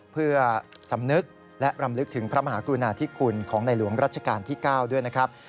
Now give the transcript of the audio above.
เพื่อสำนึกและรำลึกถึงพระมหากรุณาธิคุณของในหลวงรัชกาลที่๙ด้วยนะครับ